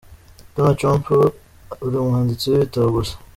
Donald trump uri umwanditsi w’ibitabo gusa.